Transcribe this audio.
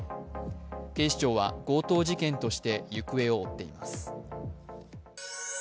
警視庁は強盗事件として行方を追っています。